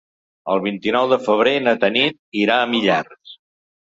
El vint-i-nou de febrer na Tanit irà a Millars.